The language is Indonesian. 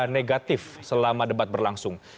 negatif selama debat berlangsung